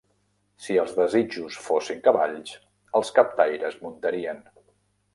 Si els desitjos fossin cavalls, els captaires muntarien.